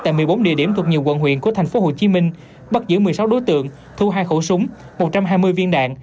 tại một mươi bốn địa điểm thuộc nhiều quận huyện của thành phố hồ chí minh bắt giữ một mươi sáu đối tượng thu hai khẩu súng một trăm hai mươi viên đạn